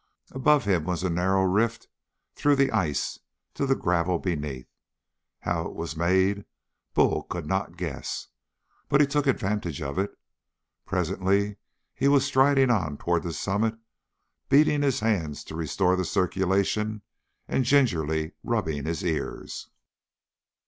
Above him was a narrow rift through the ice to the gravel beneath; how it was made, Bull could not guess. But he took advantage of it. Presently he was striding on toward the summit, beating his hands to restore the circulation and gingerly rubbing his ears.